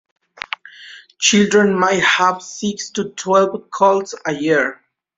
Children may have six to twelve colds a year.